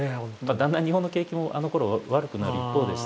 だんだん日本の景気もあのころ悪くなる一方でしたからね。